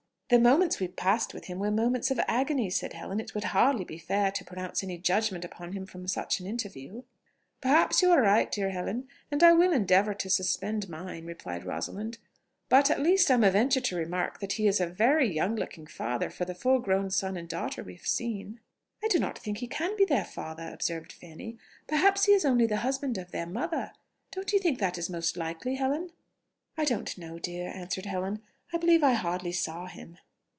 "The moments we passed with him were moments of agony," said Helen: "it would hardly be fair to pronounce any judgment upon him from such an interview." "Perhaps you are right, dear Helen, and I will endeavour to suspend mine," replied Rosalind. "But at least I may venture to remark that he is a very young looking father for the full grown son and daughter we have seen." "I do not think he can be their father," observed Fanny. "Perhaps he is only the husband of their mother?... Don't you think that is most likely, Helen?" "I don't know, dear," answered Helen: "I believe I hardly saw him."